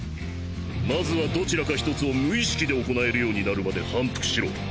まずはどちらか１つを無意識で行えるようになるまで反復しろ。